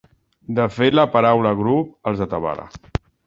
De fet, la paraula grup els atabala.